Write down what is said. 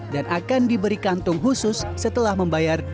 dan akan diberi kantung khusus setelah membayar rp dua puluh